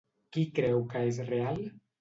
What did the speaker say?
Qui creu que és real?